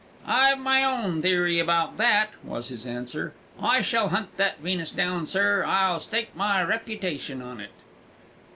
"I've my own theory about that," was his answer. "I shall hunt that Venus down, sir; I'll stake my reputation on it."